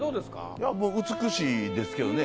いや美しいですけどね